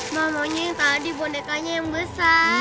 mamanya yang tadi bonekanya yang besar